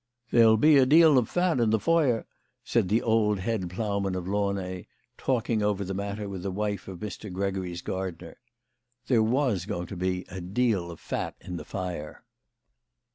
" There'll be a deal o' vat in the voir," said the old head ploughman of Launay, talk ing over the matter with the wife of Mr. Gregory's gardener. There was going to be "a deal of fat in the fire."